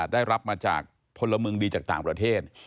ได้รับมาจากพลเมืองดีจากต่างประเทศ